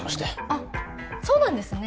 あっそうなんですね。